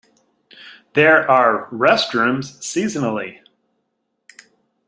There are restrooms seasonally.